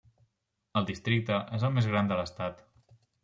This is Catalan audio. El districte és el més gran de l'estat.